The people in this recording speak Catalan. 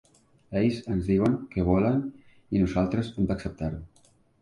Ells ens diuen què volen, i nosaltres hem d'acceptar-ho.